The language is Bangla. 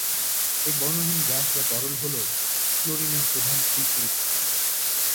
এই বর্ণহীন গ্যাস বা তরল হ'ল ফ্লোরিন এর প্রধান শিল্প উৎস।